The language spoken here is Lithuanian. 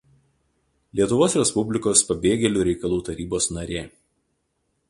Lietuvos Respublikos Pabėgėlių reikalų tarybos narė.